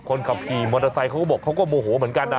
คนขับขี่มอเตอร์ไซค์เขาก็บอกเขาก็โมโหเหมือนกันนะ